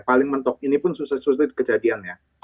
paling mentok ini pun susah susah kejadian ya